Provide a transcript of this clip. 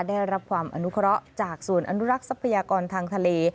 ได้รับความอนุเคราะห์จากศูนย์อนุรักษ์ทรัพยากรทางทะเล